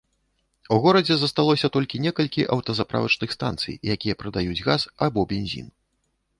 У горадзе засталося толькі некалькі аўтазаправачных станцый, якія прадаюць газ або бензін.